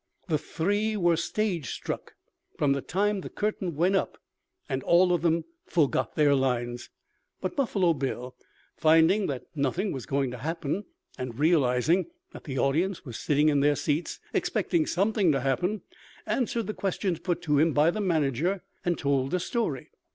The three were stagestruck from the time the curtain went up, and all of them forgot their lines. But Buffalo Bill, finding that nothing was going to happen and realizing that the audience were sitting in their seats expecting something to happen, answered the questions put to him by the manager and told a story.